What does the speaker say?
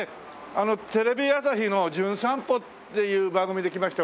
あのテレビ朝日の『じゅん散歩』っていう番組で来ました